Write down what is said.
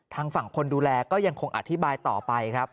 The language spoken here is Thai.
ทางฝั่งคนดูแลก็ยังคงอธิบายต่อไปครับ